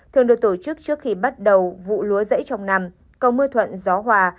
thường được tổ chức trước khi bắt đầu vụ lúa rẫy trong năm cầu mưa thuận gió hòa